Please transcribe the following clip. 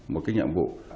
một cái nhiệm vụ